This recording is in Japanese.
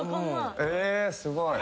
えすごい。